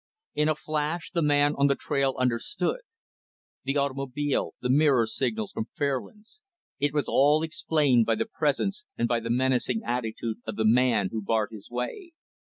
In a flash, the man on the trail understood. The automobile, the mirror signals from Fairlands it was all explained by the presence and by the menacing attitude of the man who barred his way.